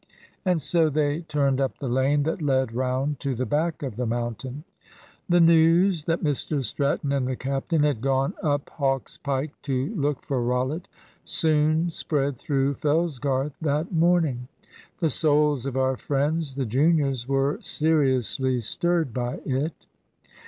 And so they turned up the lane that led round to the back of the mountain. The news that Mr Stratton and the captain had gone up Hawk's Pike to look for Rollitt soon spread through Fellsgarth that morning. The souls of our friends the juniors were seriously stirred by it.